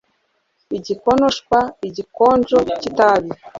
Igikonoshwa igikonjo cyitabi